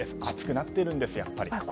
暑くなっているんです、やっぱり。